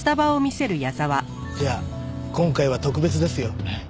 じゃあ今回は特別ですよ。